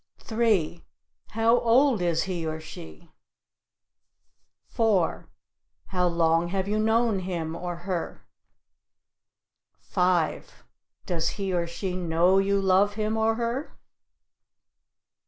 3. How old is he or she? 4. How long have you known him or her? 5. Does he or she know you love him or her?